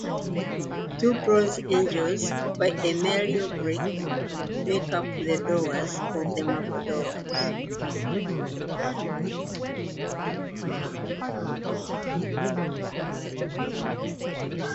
Two bronze angels by Emilio Greco make up the doors of the marble doors.